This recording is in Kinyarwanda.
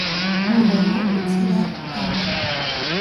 nkumuntu ukira inkoni